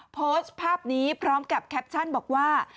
โพสต์ภาพนี้พร้อมกับแคปชั่นบอกว่า